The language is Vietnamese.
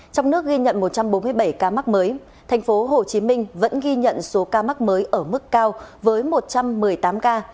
trong nước ghi nhận một trăm bốn mươi bảy ca mắc mới thành phố hồ chí minh vẫn ghi nhận số ca mắc mới ở mức cao với một trăm một mươi tám ca